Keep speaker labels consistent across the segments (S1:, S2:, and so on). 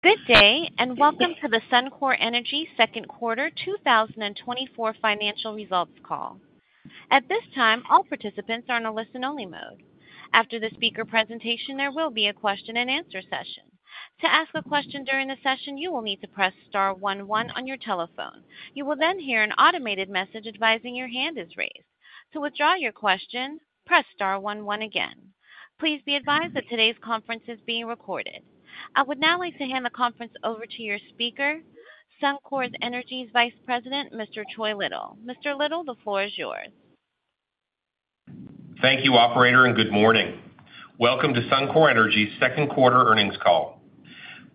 S1: Good day, and welcome to the Suncor Energy Q2 2024 financial results call. At this time, all participants are in a listen-only mode. After the speaker presentation, there will be a question-and-answer session. To ask a question during the session, you will need to press star one one on your telephone. You will then hear an automated message advising your hand is raised. To withdraw your question, press star one one again. Please be advised that today's conference is being recorded. I would now like to hand the conference over to your speaker, Suncor Energy's Vice President, Mr. Troy Little. Mr. Little, the floor is yours.
S2: Thank you, Operator, and good morning. Welcome to Suncor Energy's Q2 earnings call.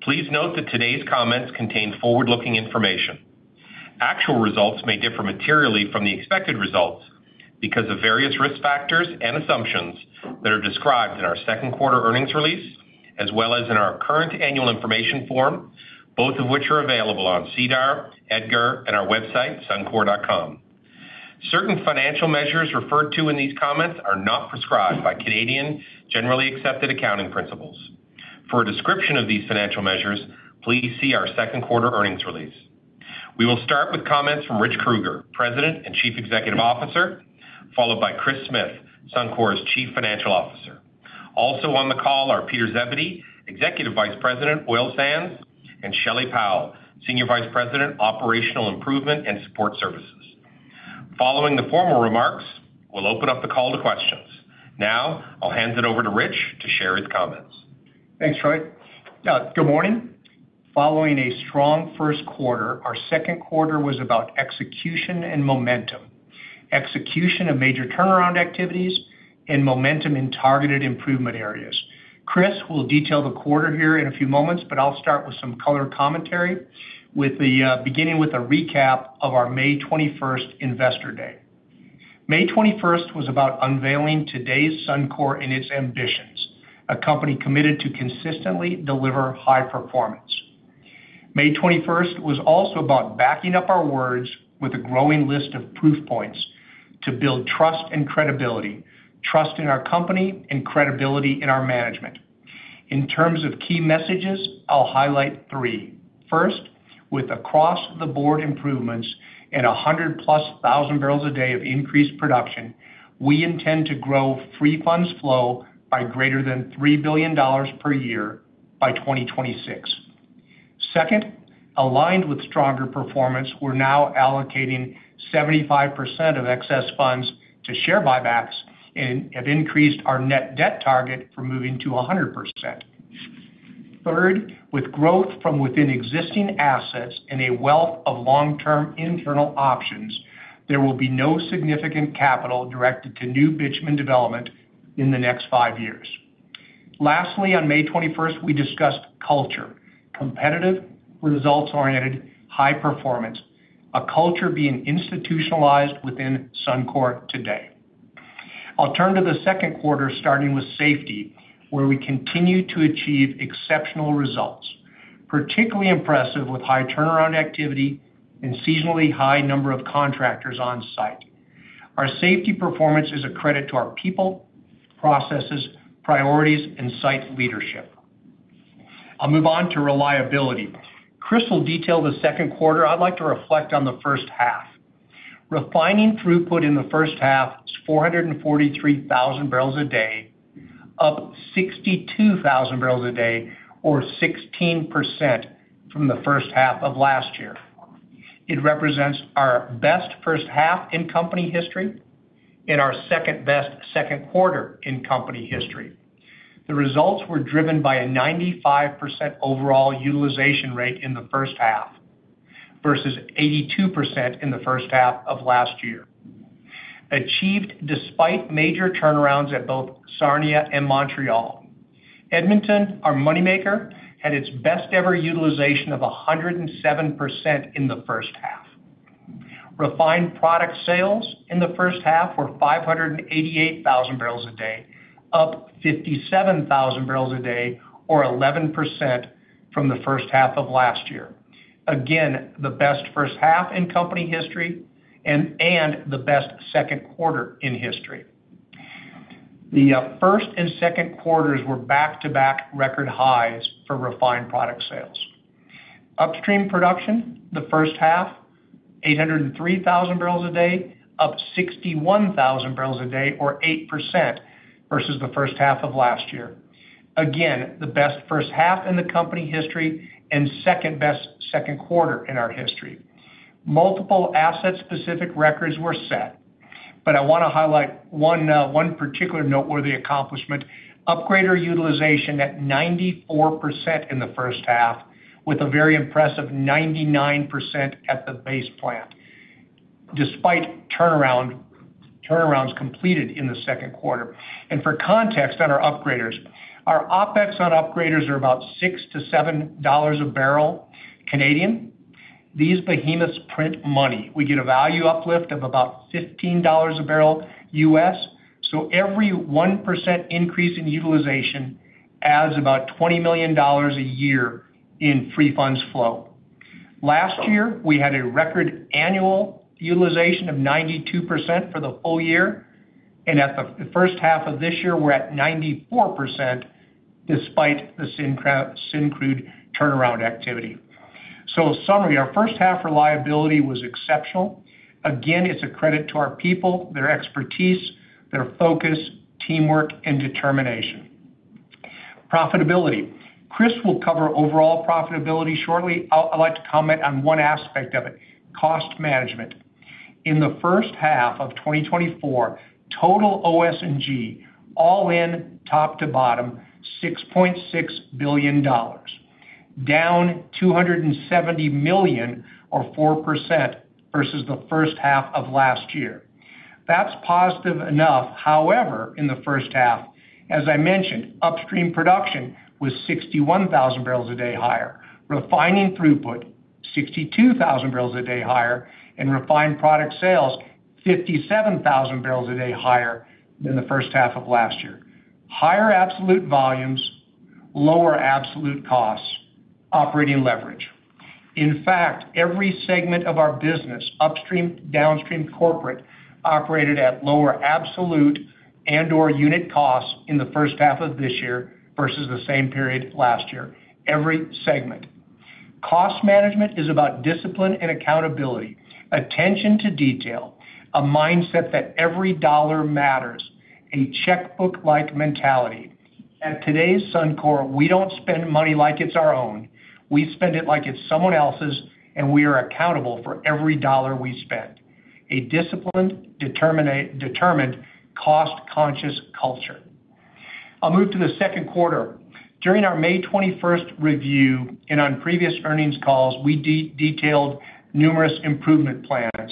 S2: Please note that today's comments contain forward-looking information. Actual results may differ materially from the expected results because of various risk factors and assumptions that are described in our Q2 earnings release, as well as in our current annual information form, both of which are available on SEDAR, EDGAR, and our website, suncor.com. Certain financial measures referred to in these comments are not prescribed by Canadian generally accepted accounting principles. For a description of these financial measures, please see our Q2 earnings release. We will start with comments from Rich Kruger, President and Chief Executive Officer, followed by Kris Smith, Suncor's Chief Financial Officer. Also on the call are Peter Zebedee, Executive Vice President, Oil Sands, and Shelley Powell, Senior Vice President, Operational Improvement and Support Services. Following the formal remarks, we'll open up the call to questions. Now, I'll hand it over to Rich to share his comments.
S3: Thanks, Troy. Good morning. Following a strong Q1, our Q2 was about execution and momentum, execution of major turnaround activities, and momentum in targeted improvement areas. Kris will detail the quarter here in a few moments, but I'll start with some color commentary, beginning with a recap of our May 21st Investor Day. May 21st was about unveiling today's Suncor and its ambitions, a company committed to consistently deliver high performance. May 21st was also about backing up our words with a growing list of proof points to build trust and credibility, trust in our company, and credibility in our management. In terms of key messages, I'll highlight three. First, with across-the-board improvements and 100,000+ barrels a day of increased production, we intend to grow Free Funds Flow by greater than $3 billion per year by 2026. Second, aligned with stronger performance, we're now allocating 75% of excess funds to share buybacks and have increased our net debt target for moving to 100%. Third, with growth from within existing assets and a wealth of long-term internal options, there will be no significant capital directed to new bitumen development in the next 5 years. Lastly, on May 21st, we discussed culture: competitive, results-oriented, high performance, a culture being institutionalized within Suncor today. I'll turn to the Q2, starting with safety, where we continue to achieve exceptional results, particularly impressive with high turnaround activity and seasonally high number of contractors on site. Our safety performance is a credit to our people, processes, priorities, and site leadership. I'll move on to reliability. Kris will detail the Q2. I'd like to reflect on the H1. Refining throughput in the H1 is 443,000 barrels a day, up 62,000 barrels a day, or 16% from the H1 of last year. It represents our best H1 in company history and our second-best Q2 in company history. The results were driven by a 95% overall utilization rate in the H1 versus 82% in the H1 of last year, achieved despite major turnarounds at both Sarnia and Montreal. Edmonton, our moneymaker, had its best-ever utilization of 107% in the H1. Refined product sales in the H1 were 588,000 barrels a day, up 57,000 barrels a day, or 11% from the H1 of last year. Again, the best H1 in company history and the best Q2 in history. The first and Q2s were back-to-back record highs for refined product sales. Upstream production, the H1, 803,000 barrels a day, up 61,000 barrels a day, or 8% versus the H1 of last year. Again, the best H1 in the company history and second-best Q2 in our history. Multiple asset-specific records were set, but I want to highlight one particular noteworthy accomplishment: upgrader utilization at 94% in the H1, with a very impressive 99% at the Base Plant despite turnarounds completed in the Q2. For context on our upgraders, our OpEx on upgraders are about CAD $6-$7 a barrel. These behemoths print money. We get a value uplift of about $15 a barrel US Every 1% increase in utilization adds about $20 million a year in Free Funds Flow. Last year, we had a record annual utilization of 92% for the full year, and at the H1 of this year, we're at 94% despite the Syncrude turnaround activity. So in summary, our H1 reliability was exceptional. Again, it's a credit to our people, their expertise, their focus, teamwork, and determination. Profitability. Kris will cover overall profitability shortly. I'd like to comment on one aspect of it: cost management. In the H1 of 2024, total OS&G all in top to bottom $6.6 billion, down $270 million, or 4% versus the H1 of last year. That's positive enough. However, in the H1, as I mentioned, upstream production was 61,000 barrels a day higher, refining throughput 62,000 barrels a day higher, and refined product sales 57,000 barrels a day higher than the H1 of last year. Higher absolute volumes, lower absolute costs, operating leverage. In fact, every segment of our business, upstream, downstream, corporate, operated at lower absolute and/or unit costs in the H1 of this year versus the same period last year. Every segment. Cost management is about discipline and accountability, attention to detail, a mindset that every dollar matters, a checkbook-like mentality. At today's Suncor, we don't spend money like it's our own. We spend it like it's someone else's, and we are accountable for every dollar we spend. A disciplined, determined, cost-conscious culture. I'll move to the Q2. During our May 21st review and on previous earnings calls, we detailed numerous improvement plans.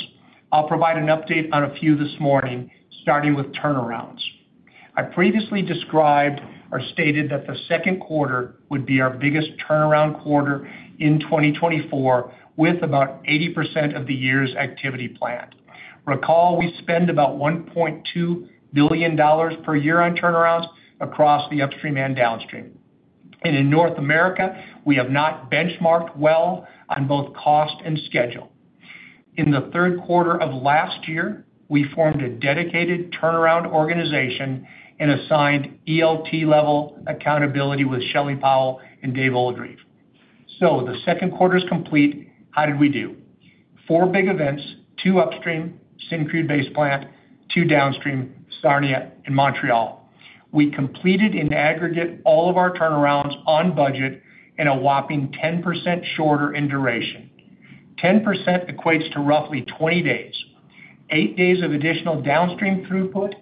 S3: I'll provide an update on a few this morning, starting with turnarounds. I previously described or stated that the Q2 would be our biggest turnaround quarter in 2024, with about 80% of the year's activity planned. Recall, we spend about $1.2 billion per year on turnarounds across the upstream and downstream. In North America, we have not benchmarked well on both cost and schedule. In the third quarter of last year, we formed a dedicated turnaround organization and assigned ELT-level accountability with Shelley Powell and Dave Oldreive. The Q2 is complete. How did we do? Four big events: two upstream, Syncrude, Base Plant, two downstream, Sarnia and Montreal. We completed in aggregate all of our turnarounds on budget in a whopping 10% shorter in duration. 10% equates to roughly 20 days, eight days of additional downstream throughput,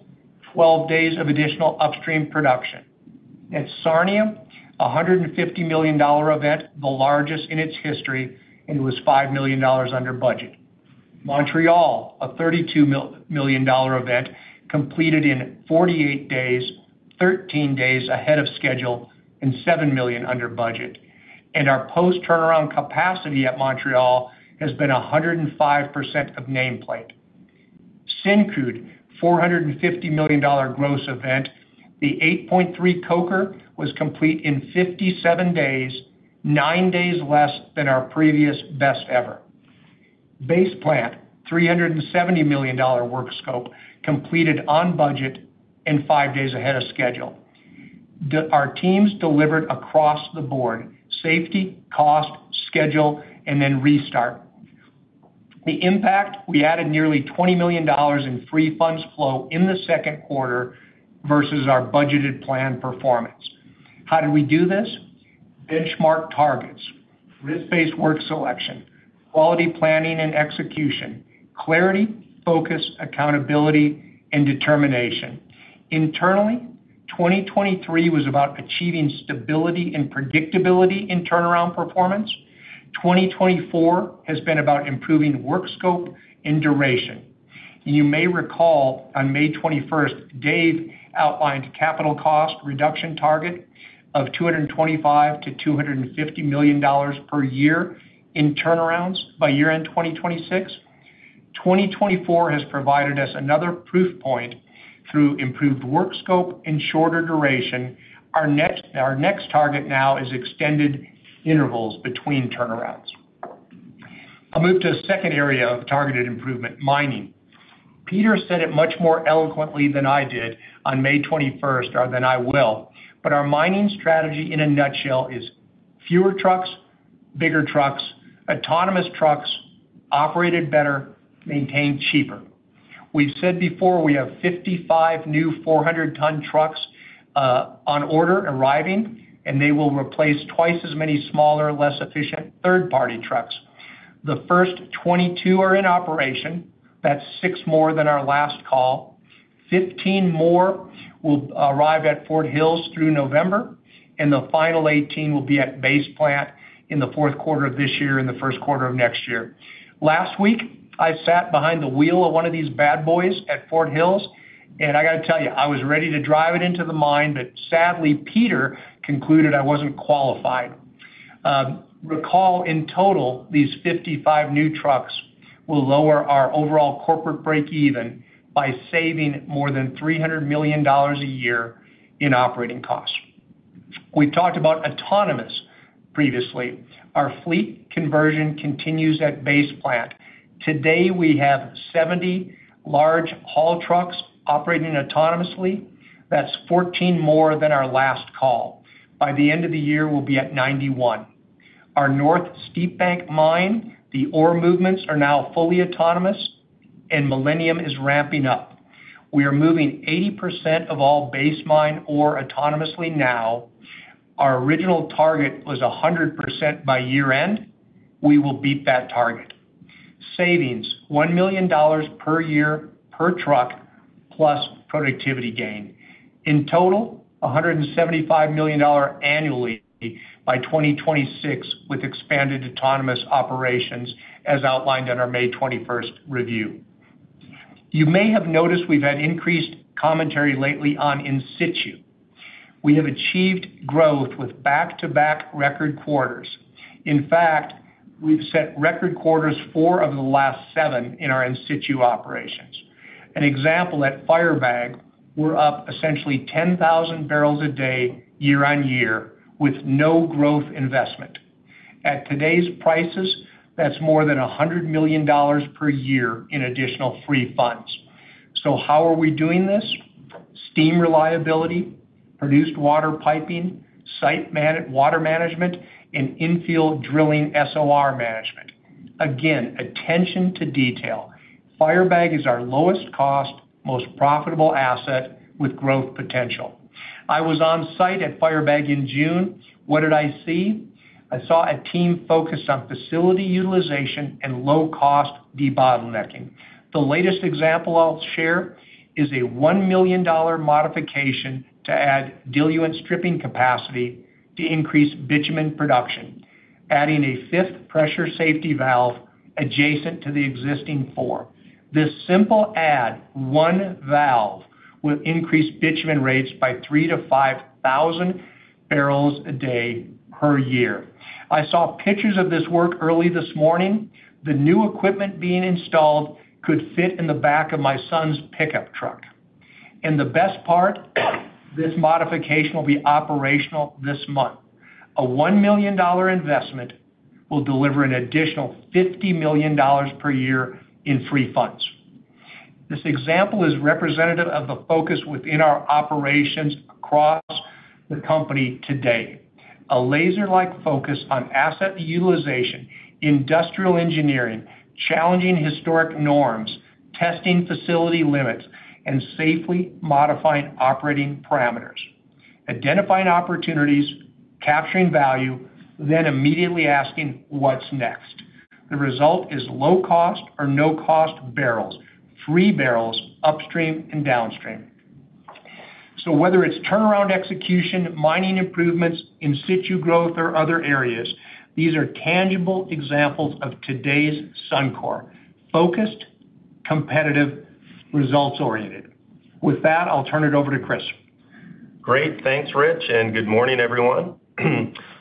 S3: 12 days of additional upstream production. At Sarnia, a $150 million event, the largest in its history, and it was $5 million under budget. Montreal, a $32 million event, completed in 48 days, 13 days ahead of schedule, and $7 million under budget. Our post-turnaround capacity at Montreal has been 105% of nameplate. Syncrude, $450 million gross event, the 8-3 Coker, was complete in 57 days, 9 days less than our previous best ever. Base Plant, $370 million work scope, completed on budget and 5 days ahead of schedule. Our teams delivered across the board: safety, cost, schedule, and then restart. The impact: we added nearly $20 million in free funds flow in the Q2 versus our budgeted planned performance. How did we do this? Benchmark targets, risk-based work selection, quality planning and execution, clarity, focus, accountability, and determination. Internally, 2023 was about achieving stability and predictability in turnaround performance. 2024 has been about improving work scope and duration. You may recall, on May 21st, Dave outlined capital cost reduction target of $225-$250 million per year in turnarounds by year-end 2026. 2024 has provided us another proof point through improved work scope and shorter duration. Our next target now is extended intervals between turnarounds. I'll move to a second area of targeted improvement: mining. Peter said it much more eloquently than I did on May 21st or than I will, but our mining strategy, in a nutshell, is fewer trucks, bigger trucks, autonomous trucks, operated better, maintained cheaper. We've said before we have 55 new 400-ton trucks on order arriving, and they will replace twice as many smaller, less efficient third-party trucks. The first 22 are in operation. That's 6 more than our last call. 15 more will arrive at Fort Hills through November, and the final 18 will be at Base Plant in the fourth quarter of this year and the Q1 of next year. Last week, I sat behind the wheel of one of these bad boys at Fort Hills, and I got to tell you, I was ready to drive it into the mine, but sadly, Peter concluded I wasn't qualified. Recall, in total, these 55 new trucks will lower our overall corporate break-even by saving more than 300 million dollars a year in operating costs. We've talked about autonomous previously. Our fleet conversion continues at Base Plant. Today, we have 70 large haul trucks operating autonomously. That's 14 more than our last call. By the end of the year, we'll be at 91. Our North Steepbank mine, the ore movements are now fully autonomous, and Millennium is ramping up. We are moving 80% of all Base Mine ore autonomously now. Our original target was 100% by year-end. We will beat that target. Savings: 1 million dollars per year per truck plus productivity gain. In total, $175 million annually by 2026 with expanded autonomous operations, as outlined on our May 21st review. You may have noticed we've had increased commentary lately on in situ. We have achieved growth with back-to-back record quarters. In fact, we've set record quarters four of the last seven in our in-situ operations. An example at Firebag, we're up essentially 10,000 barrels a day year-on-year with no growth investment. At today's prices, that's more than $100 million per year in additional free funds. So how are we doing this? Steam reliability, produced water piping, site water management, and infield drilling SOR management. Again, attention to detail. Firebag is our lowest cost, most profitable asset with growth potential. I was on site at Firebag in June. What did I see? I saw a team focused on facility utilization and low-cost debottlenecking. The latest example I'll share is a $1 million modification to add diluent stripping capacity to increase bitumen production, adding a fifth pressure safety valve adjacent to the existing four. This simple add, one valve, will increase bitumen rates by 3,000-5,000 barrels a day per year. I saw pictures of this work early this morning. The new equipment being installed could fit in the back of my son's pickup truck. And the best part, this modification will be operational this month. A $1 million investment will deliver an additional $50 million per year in free funds. This example is representative of the focus within our operations across the company today: a laser-like focus on asset utilization, industrial engineering, challenging historic norms, testing facility limits, and safely modifying operating parameters, identifying opportunities, capturing value, then immediately asking what's next. The result is low-cost or no-cost barrels, free barrels upstream and downstream. So whether it's turnaround execution, mining improvements, in situ growth, or other areas, these are tangible examples of today's Suncor: focused, competitive, results-oriented. With that, I'll turn it over to Kris.
S4: Great. Thanks, Rich, and good morning, everyone.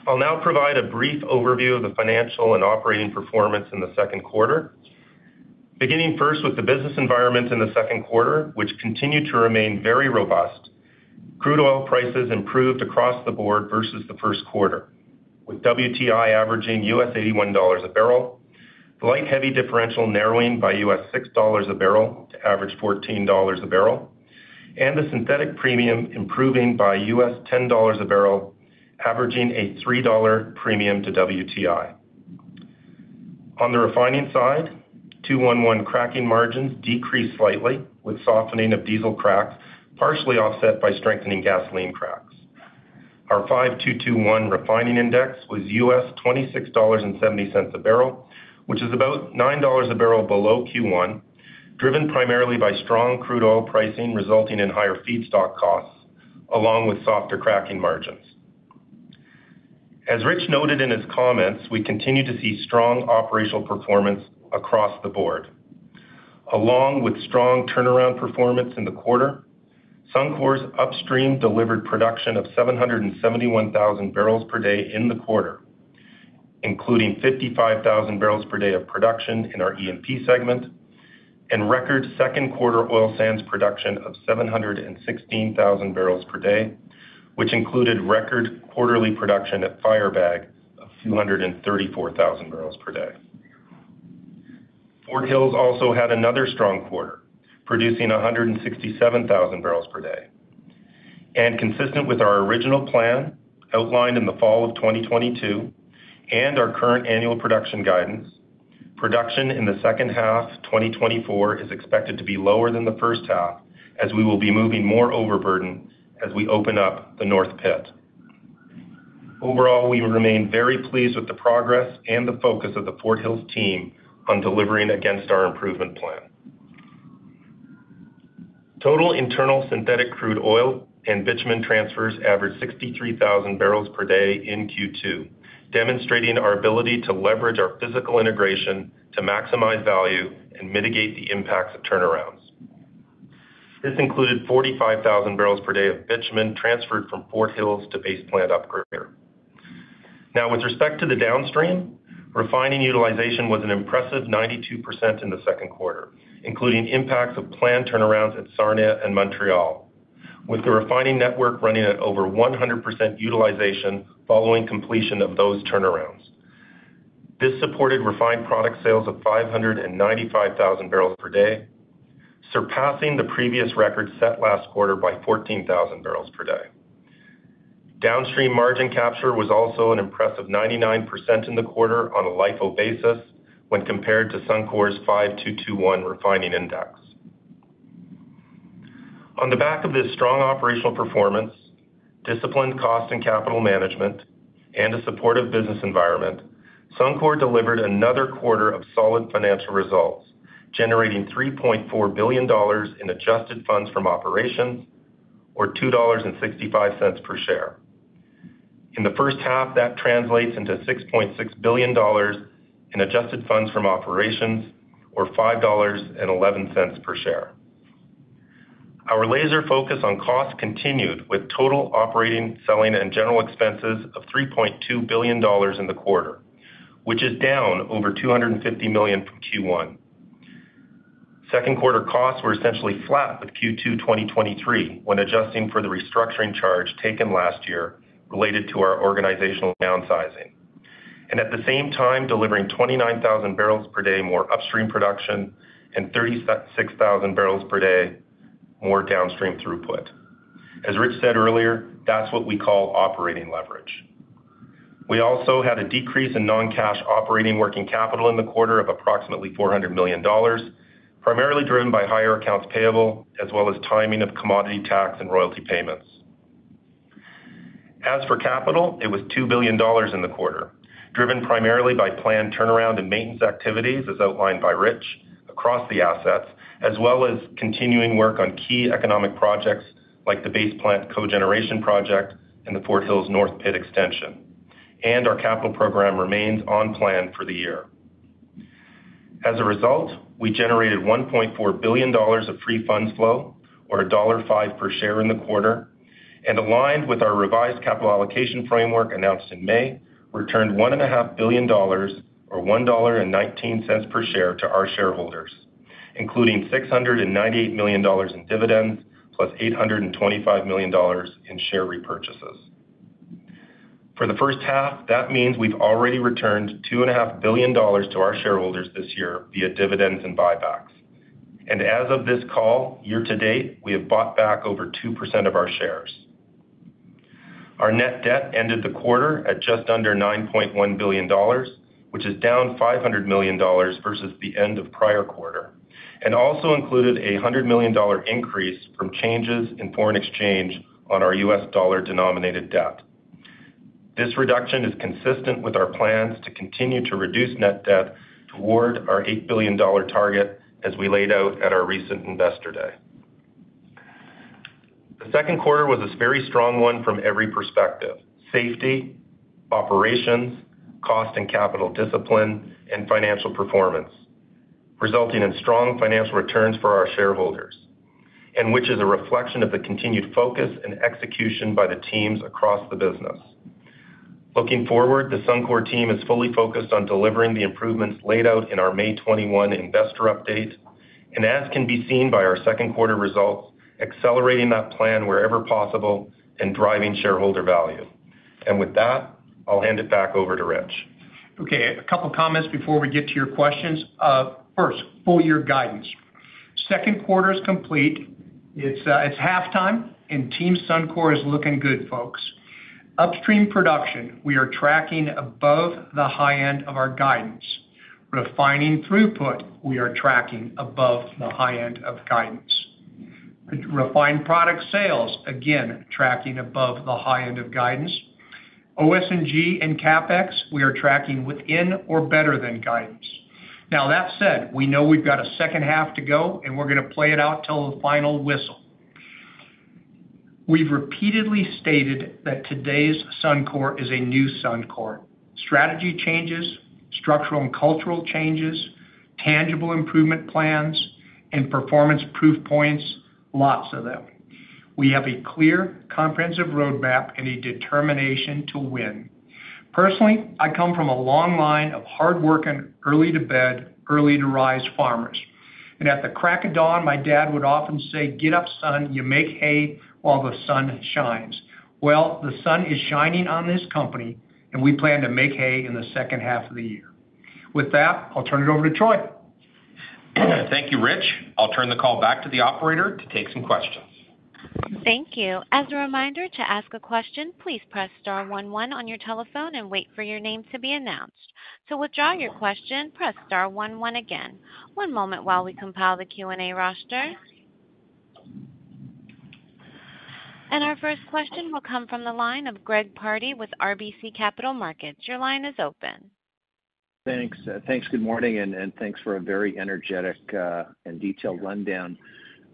S4: I'll now provide a brief overview of the financial and operating performance in the Q2, beginning first with the business environment in the Q2, which continued to remain very robust. Crude oil prices improved across the board versus the Q1, with WTI averaging $81 a barrel, the light heavy differential narrowing by $6 a barrel to average $14 a barrel, and the synthetic premium improving by $10 a barrel, averaging a $3 premium to WTI. On the refining side, 2-1-1 cracking margins decreased slightly with softening of diesel cracks, partially offset by strengthening gasoline cracks. Our 5-2-2-1 refining index was US $26.70 a barrel, which is about $9 a barrel below Q1, driven primarily by strong crude oil pricing resulting in higher feedstock costs along with softer cracking margins. As Rich noted in his comments, we continue to see strong operational performance across the board, along with strong turnaround performance in the quarter. Suncor's upstream delivered production of 771,000 barrels per day in the quarter, including 55,000 barrels per day of production in our E&P segment, and record Q2 oil sands production of 716,000 barrels per day, which included record quarterly production at Firebag of 234,000 barrels per day. Fort Hills also had another strong quarter, producing 167,000 barrels per day. Consistent with our original plan outlined in the fall of 2022 and our current annual production guidance, production in the H2 2024 is expected to be lower than the H1, as we will be moving more overburden as we open up the north pit. Overall, we remain very pleased with the progress and the focus of the Fort Hills team on delivering against our improvement plan. Total internal synthetic crude oil and bitumen transfers averaged 63,000 barrels per day in Q2, demonstrating our ability to leverage our physical integration to maximize value and mitigate the impacts of turnarounds. This included 45,000 barrels per day of bitumen transferred from Fort Hills to Base Plant upgrader. Now, with respect to the downstream, refining utilization was an impressive 92% in the Q2, including impacts of planned turnarounds at Sarnia and Montreal, with the refining network running at over 100% utilization following completion of those turnarounds. This supported refined product sales of 595,000 barrels per day, surpassing the previous record set last quarter by 14,000 barrels per day. Downstream margin capture was also an impressive 99% in the quarter on a LIFO basis when compared to Suncor's 5-2-2-1 refining index. On the back of this strong operational performance, disciplined cost and capital management, and a supportive business environment, Suncor delivered another quarter of solid financial results, generating 3.4 billion dollars in adjusted funds from operations, or 2.65 dollars per share. In the H1, that translates into 6.6 billion dollars in adjusted funds from operations, or 5.11 dollars per share. Our laser focus on costs continued with total operating, selling, and general expenses of 3.2 billion dollars in the quarter, which is down over 250 million from Q1. Q2 costs were essentially flat with Q2 2023 when adjusting for the restructuring charge taken last year related to our organizational downsizing, and at the same time delivering 29,000 barrels per day more upstream production and 36,000 barrels per day more downstream throughput. As Rich said earlier, that's what we call operating leverage. We also had a decrease in non-cash operating working capital in the quarter of approximately 400 million dollars, primarily driven by higher accounts payable as well as timing of commodity tax and royalty payments. As for capital, it was $2 billion in the quarter, driven primarily by planned turnaround and maintenance activities, as outlined by Rich, across the assets, as well as continuing work on key economic projects like the Base Plant cogeneration project and the Fort Hills north pit extension. Our capital program remains on plan for the year. As a result, we generated $1.4 billion of free funds flow, or $1.05 per share in the quarter, and aligned with our revised capital allocation framework announced in May, returned $1.5 billion, or $1.19 per share to our shareholders, including $698 million in dividends plus $825 million in share repurchases. For the H1, that means we've already returned $2.5 billion to our shareholders this year via dividends and buybacks. As of this call, year-to-date, we have bought back over 2% of our shares. Our net debt ended the quarter at just under 9.1 billion dollars, which is down 500 million dollars versus the end of prior quarter, and also included a 100 million dollar increase from changes in foreign exchange on our US dollar-denominated debt. This reduction is consistent with our plans to continue to reduce net debt toward our 8 billion dollar target as we laid out at our recent investor day. The Q2 was a very strong one from every perspective: safety, operations, cost and capital discipline, and financial performance, resulting in strong financial returns for our shareholders, and which is a reflection of the continued focus and execution by the teams across the business. Looking forward, the Suncor team is fully focused on delivering the improvements laid out in our May 21 investor update, and as can be seen by our Q2 results, accelerating that plan wherever possible and driving shareholder value. With that, I'll hand it back over to Rich.
S3: Okay. A couple of comments before we get to your questions. First, full year guidance. Q2's complete. It's halftime, and Team Suncor is looking good, folks. Upstream production, we are tracking above the high end of our guidance. Refining throughput, we are tracking above the high end of guidance. Refined product sales, again, tracking above the high end of guidance. OS&G and CapEx, we are tracking within or better than guidance. Now, that said, we know we've got a H2 to go, and we're going to play it out till the final whistle. We've repeatedly stated that today's Suncor is a new Suncor. Strategy changes, structural and cultural changes, tangible improvement plans, and performance proof points, lots of them. We have a clear, comprehensive roadmap and a determination to win. Personally, I come from a long line of hardworking, early-to-bed, early-to-rise farmers. At the crack of dawn, my dad would often say, "Get up, son. You make hay while the sun shines." Well, the sun is shining on this company, and we plan to make hay in the H2 of the year. With that, I'll turn it over to Troy.
S2: Thank you, Rich. I'll turn the call back to the operator to take some questions.
S1: Thank you. As a reminder, to ask a question, please press star one one on your telephone and wait for your name to be announced. To withdraw your question, press star one one again. One moment while we compile the Q&A roster. Our first question will come from the line of Greg Pardy with RBC Capital Markets. Your line is open.
S5: Thanks. Thanks. Good morning, and thanks for a very energetic and detailed rundown.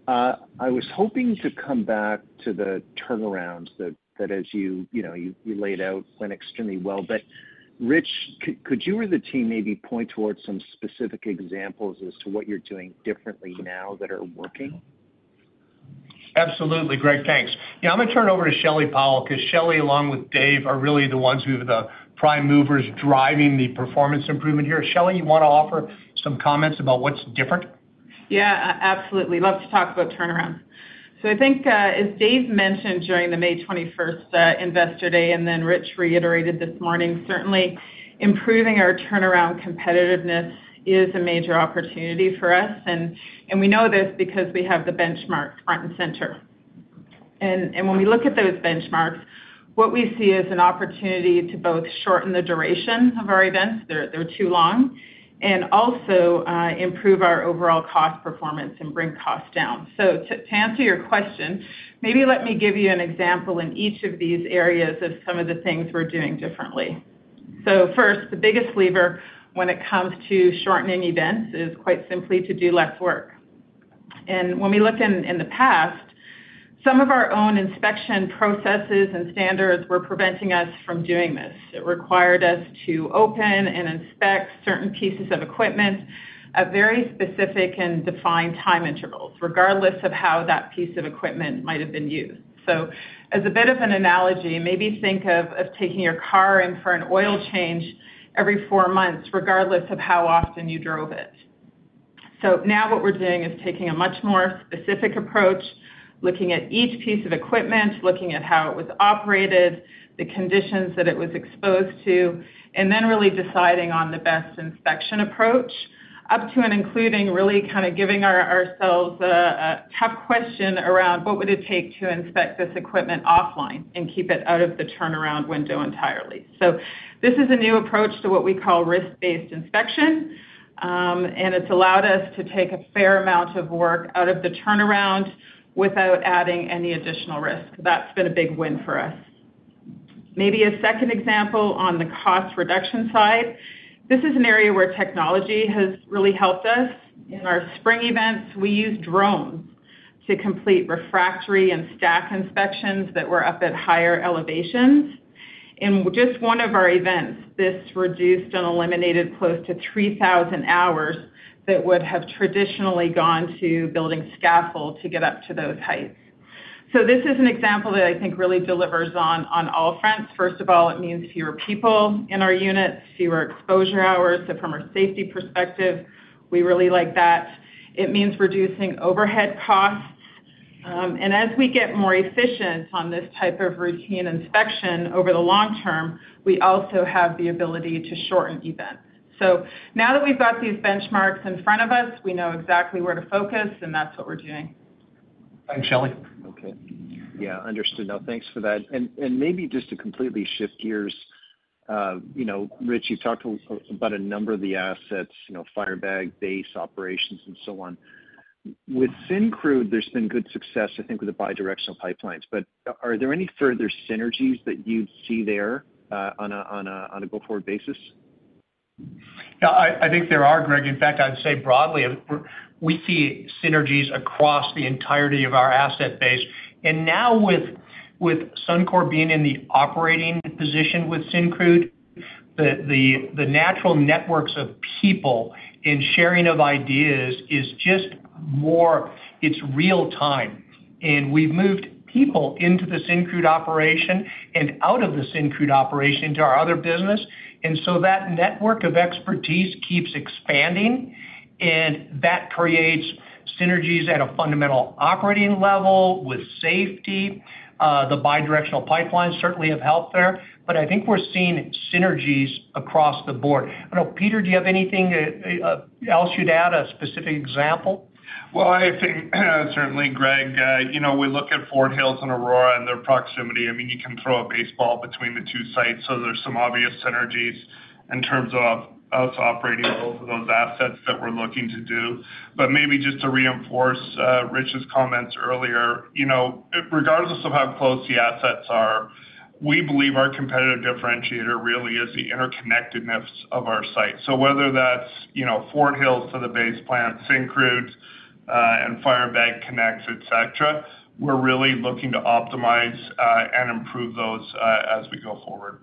S5: I was hoping to come back to the turnarounds that, as you laid out, went extremely well. But Rich, could you or the team maybe point towards some specific examples as to what you're doing differently now that are working?
S3: Absolutely. Greg, thanks. Yeah, I'm going to turn it over to Shelley Powell because Shelley, along with Dave, are really the ones who are the prime movers driving the performance improvement here. Shelley, you want to offer some comments about what's different?
S6: Yeah, absolutely. Love to talk about turnarounds. So I think, as Dave mentioned during the May 21st investor day, and then Rich reiterated this morning, certainly improving our turnaround competitiveness is a major opportunity for us. And we know this because we have the benchmark front and center. When we look at those benchmarks, what we see is an opportunity to both shorten the duration of our events (they're too long) and also improve our overall cost performance and bring costs down. To answer your question, maybe let me give you an example in each of these areas of some of the things we're doing differently. First, the biggest lever when it comes to shortening events is quite simply to do less work. When we looked in the past, some of our own inspection processes and standards were preventing us from doing this. It required us to open and inspect certain pieces of equipment at very specific and defined time intervals, regardless of how that piece of equipment might have been used. So as a bit of an analogy, maybe think of taking your car in for an oil change every four months, regardless of how often you drove it. So now what we're doing is taking a much more specific approach, looking at each piece of equipment, looking at how it was operated, the conditions that it was exposed to, and then really deciding on the best inspection approach up to and including really kind of giving ourselves a tough question around what would it take to inspect this equipment offline and keep it out of the turnaround window entirely. So this is a new approach to what we call risk-based inspection, and it's allowed us to take a fair amount of work out of the turnaround without adding any additional risk. That's been a big win for us. Maybe a second example on the cost reduction side, this is an area where technology has really helped us. In our spring events, we used drones to complete refractory and stack inspections that were up at higher elevations. In just one of our events, this reduced and eliminated close to 3,000 hours that would have traditionally gone to building scaffold to get up to those heights. So this is an example that I think really delivers on all fronts. First of all, it means fewer people in our units, fewer exposure hours. So from a safety perspective, we really like that. It means reducing overhead costs. And as we get more efficient on this type of routine inspection over the long term, we also have the ability to shorten events. So now that we've got these benchmarks in front of us, we know exactly where to focus, and that's what we're doing.
S3: Thanks, Shelley.
S5: Okay. Yeah, understood. Thanks for that. And maybe just to completely shift gears, Rich, you've talked about a number of the assets, Firebag, Base operations, and so on. With Syncrude, there's been good success, I think, with the bidirectional pipelines. But are there any further synergies that you'd see there on a go-forward basis?
S3: Yeah, I think there are, Greg. In fact, I'd say broadly, we see synergies across the entirety of our asset base. And now with Suncor being in the operating position with Syncrude, the natural networks of people and sharing of ideas is just more, it's real time. And we've moved people into the Syncrude operation and out of the Syncrude operation to our other business. And so that network of expertise keeps expanding, and that creates synergies at a fundamental operating level with safety. The bidirectional pipelines certainly have helped there. But I think we're seeing synergies across the board. I don't know, Peter, do you have anything else you'd add, a specific example?
S7: Well, I think certainly, Greg, we look at Fort Hills and Aurora and their proximity. I mean, you can throw a baseball between the two sites. So there's some obvious synergies in terms of us operating both of those assets that we're looking to do. But maybe just to reinforce Rich's comments earlier, regardless of how close the assets are, we believe our competitive differentiator really is the interconnectedness of our site. So whether that's Fort Hills to the Base Plant, Syncrude, and Firebag connects, etc., we're really looking to optimize and improve those as we go forward.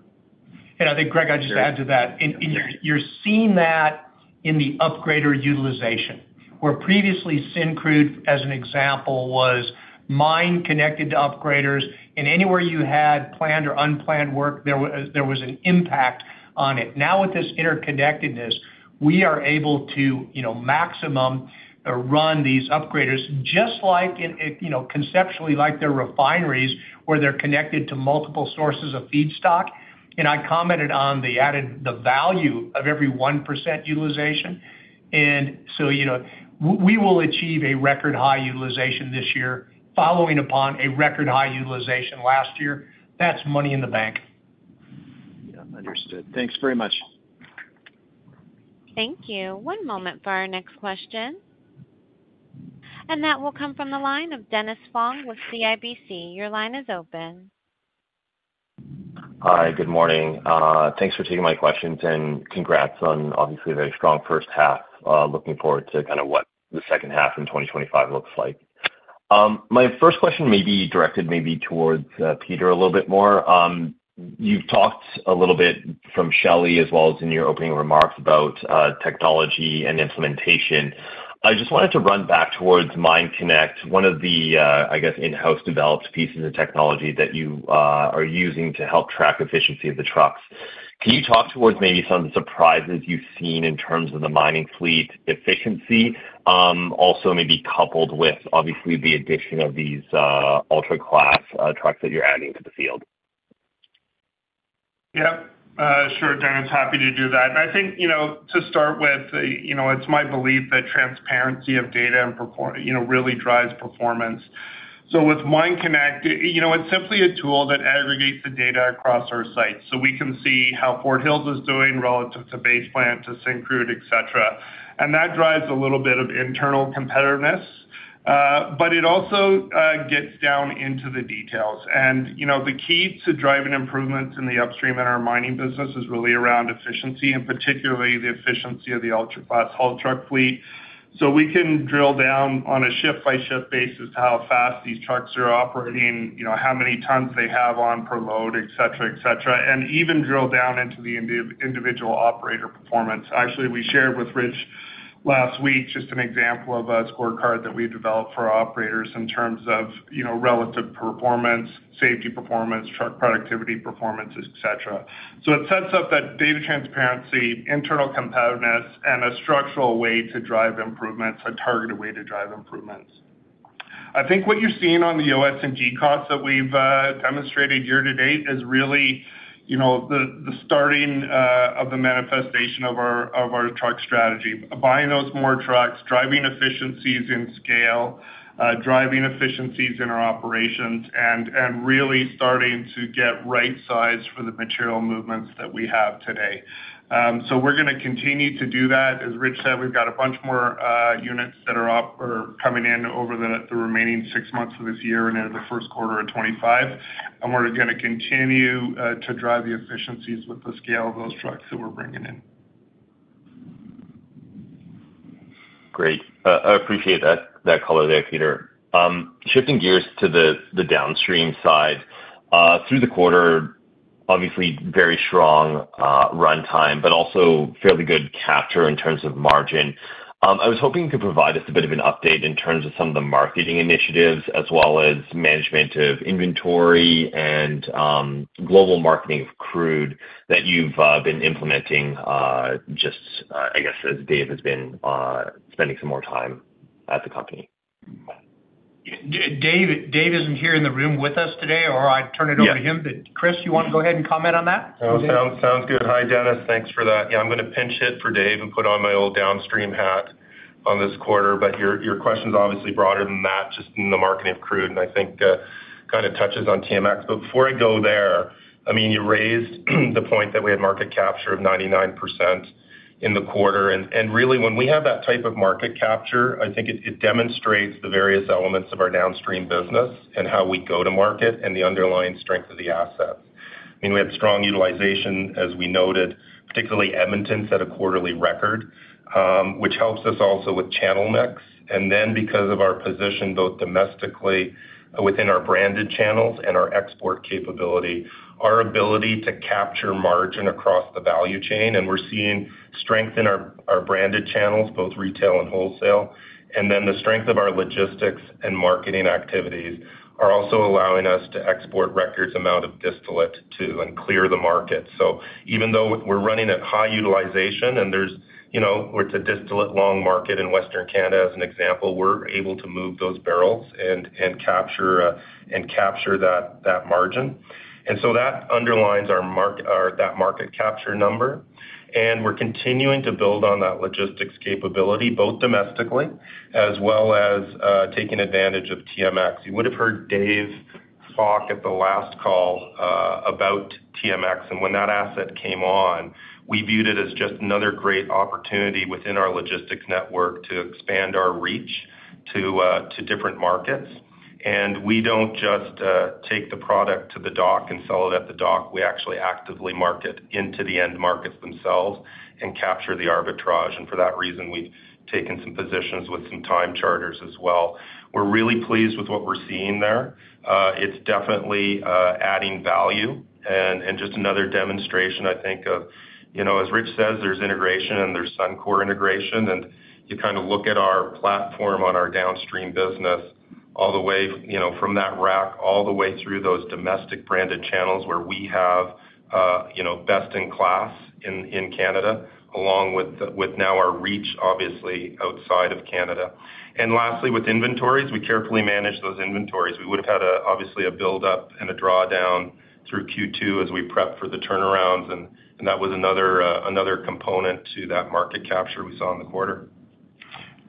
S3: And I think, Greg, I'd just add to that. You're seeing that in the upgrader utilization, where previously Syncrude, as an example, was MineConnect to upgraders. And anywhere you had planned or unplanned work, there was an impact on it. Now, with this interconnectedness, we are able to maximum run these upgraders just like conceptually, like their refineries, where they're connected to multiple sources of feedstock. And I commented on the added value of every 1% utilization. And so we will achieve a record high utilization this year, following upon a record high utilization last year. That's money in the bank.
S5: Yeah, understood. Thanks very much.
S1: Thank you. One moment for our next question. And that will come from the line of Dennis Fong with CIBC. Your line is open.
S8: Hi, good morning. Thanks for taking my questions and congrats on, obviously, a very strong H1. Looking forward to kind of what the H2 in 2025 looks like. My first question may be directed maybe towards Peter a little bit more. You've talked a little bit from Shelley as well as in your opening remarks about technology and implementation. I just wanted to run back towards MineConnect, one of the, I guess, in-house developed pieces of technology that you are using to help track efficiency of the trucks. Can you talk towards maybe some of the surprises you've seen in terms of the mining fleet efficiency, also maybe coupled with, obviously, the addition of these Ultra-Class trucks that you're adding to the field?
S7: Yeah, sure. Dennis, happy to do that. I think to start with, it's my belief that transparency of data really drives performance. So with MineConnect, it's simply a tool that aggregates the data across our sites so we can see how Fort Hills is doing relative to Base Plant to Syncrude, etc. And that drives a little bit of internal competitiveness. But it also gets down into the details. And the key to driving improvements in the upstream and our mining business is really around efficiency, and particularly the efficiency of the ultra-class haul truck fleet. So we can drill down on a shift-by-shift basis how fast these trucks are operating, how many tons they have on per load, etc., etc., and even drill down into the individual operator performance. Actually, we shared with Rich last week just an example of a scorecard that we developed for operators in terms of relative performance, safety performance, truck productivity performance, etc. So it sets up that data transparency, internal competitiveness, and a structural way to drive improvements, a targeted way to drive improvements. I think what you're seeing on the OS&G costs that we've demonstrated year to date is really the starting of the manifestation of our truck strategy, buying those more trucks, driving efficiencies in scale, driving efficiencies in our operations, and really starting to get right size for the material movements that we have today. So we're going to continue to do that. As Rich said, we've got a bunch more units that are coming in over the remaining six months of this year and into the Q1 of 2025. And we're going to continue to drive the efficiencies with the scale of those trucks that we're bringing in.
S8: Great. I appreciate that color there, Peter. Shifting gears to the downstream side, through the quarter, obviously, very strong runtime, but also fairly good capture in terms of margin. I was hoping you could provide us a bit of an update in terms of some of the marketing initiatives as well as management of inventory and global marketing of crude that you've been implementing just, I guess, as Dave has been spending some more time at the company.
S3: Dave isn't here in the room with us today, or I'd turn it over to him. But Kris, you want to go ahead and comment on that?
S4: Sounds good. Hi, Dennis. Thanks for that. Yeah, I'm going to pinch hit for Dave and put on my old downstream hat on this quarter. But your question's obviously broader than that, just in the marketing of crude, and I think kind of touches on TMX. But before I go there, I mean, you raised the point that we had market capture of 99% in the quarter. And really, when we have that type of market capture, I think it demonstrates the various elements of our downstream business and how we go to market and the underlying strength of the assets. I mean, we had strong utilization, as we noted, particularly, Edmonton set a quarterly record, which helps us also with channel mix. And then, because of our position both domestically within our branded channels and our export capability, our ability to capture margin across the value chain. And we're seeing strength in our branded channels, both retail and wholesale. And then the strength of our logistics and marketing activities are also allowing us to export records amount of distillate to and clear the market. So even though we're running at high utilization and we're in a distillate long market in Western Canada, as an example, we're able to move those barrels and capture that margin. And so that underlines that market capture number. And we're continuing to build on that logistics capability both domestically as well as taking advantage of TMX. You would have heard Dave talk at the last call about TMX. And when that asset came on, we viewed it as just another great opportunity within our logistics network to expand our reach to different markets. And we don't just take the product to the dock and sell it at the dock. We actually actively market into the end markets themselves and capture the arbitrage. And for that reason, we've taken some positions with some time charters as well. We're really pleased with what we're seeing there. It's definitely adding value and just another demonstration, I think, of, as Rich says, there's integration and there's Suncor integration. You kind of look at our platform on our downstream business all the way from that rack all the way through those domestic branded channels where we have best in class in Canada, along with now our reach, obviously, outside of Canada. And lastly, with inventories, we carefully manage those inventories. We would have had, obviously, a build-up and a drawdown through Q2 as we prepped for the turnarounds. And that was another component to that market capture we saw in the quarter.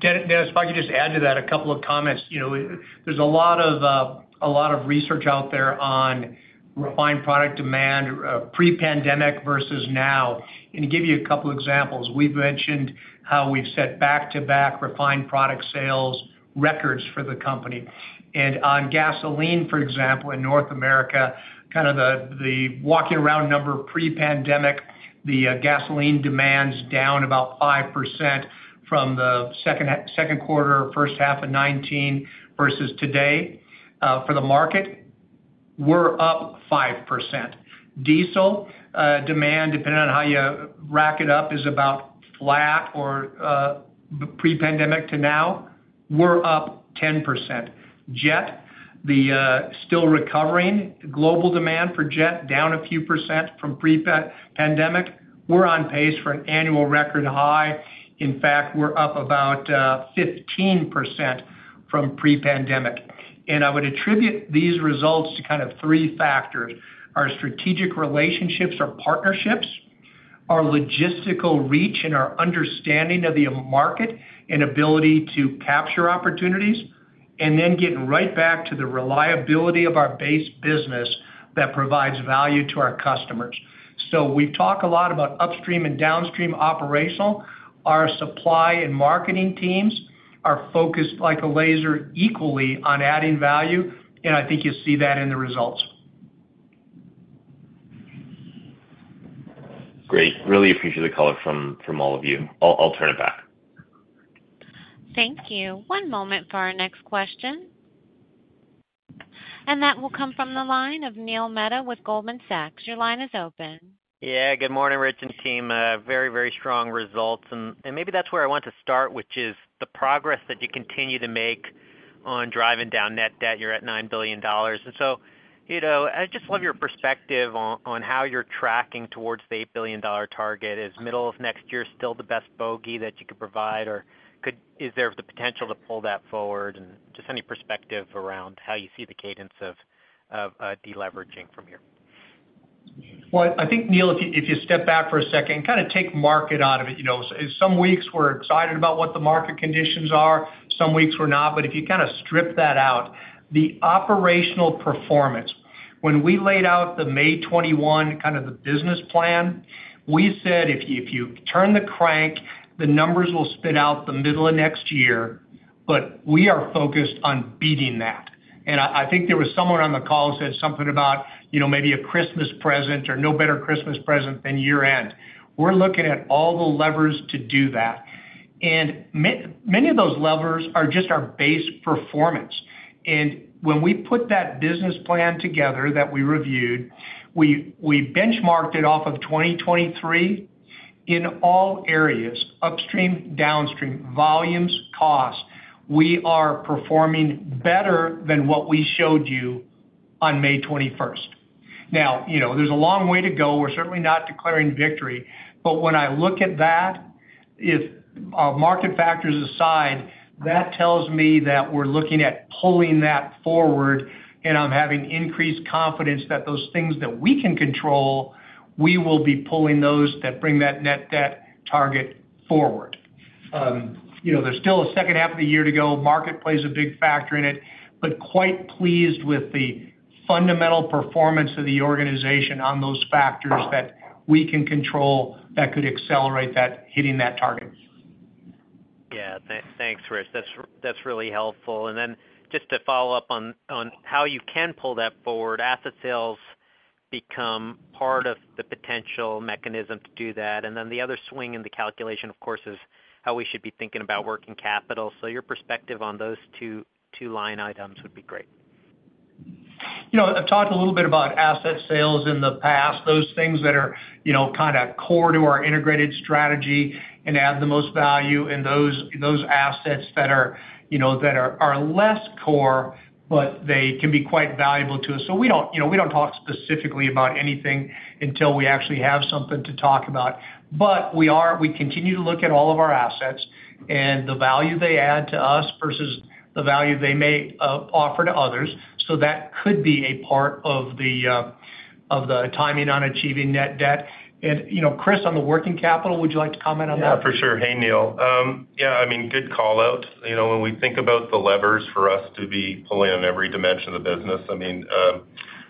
S3: Dennis, if I could just add to that a couple of comments. There's a lot of research out there on refined product demand pre-pandemic versus now. To give you a couple of examples, we've mentioned how we've set back-to-back refined product sales records for the company. On gasoline, for example, in North America, kind of the walking around number pre-pandemic, the gasoline demand's down about 5% from the Q2, H1 of 2019 versus today. For the market, we're up 5%. Diesel demand, depending on how you rack it up, is about flat or pre-pandemic to now. We're up 10%. Jet, the still recovering global demand for jet, down a few percent from pre-pandemic. We're on pace for an annual record high. In fact, we're up about 15% from pre-pandemic. I would attribute these results to kind of three factors: our strategic relationships, our partnerships, our logistical reach, and our understanding of the market and ability to capture opportunities, and then getting right back to the reliability of our base business that provides value to our customers. We talk a lot about upstream and downstream operational. Our supply and marketing teams are focused like a laser equally on adding value. I think you'll see that in the results.
S8: Great. Really appreciate the color from all of you. I'll turn it back.
S1: Thank you. One moment for our next question. That will come from the line of Neil Mehta with Goldman Sachs. Your line is open.
S9: Yeah, good morning, Rich and team. Very, very strong results. And maybe that's where I want to start, which is the progress that you continue to make on driving down net debt. You're at $9 billion. And so I just love your perspective on how you're tracking towards the $8 billion target. Is middle of next year still the best bogey that you could provide, or is there the potential to pull that forward? And just any perspective around how you see the cadence of deleveraging from here?
S3: Well, I think, Neil, if you step back for a second, kind of take market out of it. Some weeks we're excited about what the market conditions are. Some weeks we're not. But if you kind of strip that out, the operational performance, when we laid out the May 2021 kind of the business plan, we said if you turn the crank, the numbers will spit out the middle of next year. But we are focused on beating that. And I think there was someone on the call who said something about maybe a Christmas present or no better Christmas present than year-end. We're looking at all the levers to do that. And many of those levers are just our base performance. And when we put that business plan together that we reviewed, we benchmarked it off of 2023 in all areas, upstream, downstream, volumes, costs. We are performing better than what we showed you on May 21st. Now, there's a long way to go. We're certainly not declaring victory. But when I look at that, market factors aside, that tells me that we're looking at pulling that forward. And I'm having increased confidence that those things that we can control, we will be pulling those that bring that net debt target forward. There's still a H2 of the year to go. Market plays a big factor in it. But quite pleased with the fundamental performance of the organization on those factors that we can control that could accelerate hitting that target.
S9: Yeah, thanks, Rich. That's really helpful. And then just to follow up on how you can pull that forward, asset sales become part of the potential mechanism to do that. And then the other swing in the calculation, of course, is how we should be thinking about working capital. So your perspective on those two line items would be great.
S3: I've talked a little bit about asset sales in the past, those things that are kind of core to our integrated strategy and add the most value in those assets that are less core, but they can be quite valuable to us. So we don't talk specifically about anything until we actually have something to talk about. But we continue to look at all of our assets and the value they add to us versus the value they may offer to others. So that could be a part of the timing on achieving net debt. And Kris, on the working capital, would you like to comment on that?
S4: Yeah, for sure. Hey, Neil. Yeah, I mean, good call out. When we think about the levers for us to be pulling on every dimension of the business, I mean,